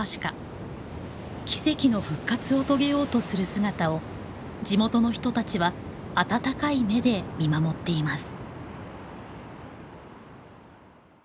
奇跡の復活を遂げようとする姿を地元の人たちは温かい目で見守っています。